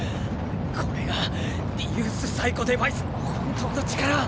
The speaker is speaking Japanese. これがリユース・Ｐ・デバイスの本当の力。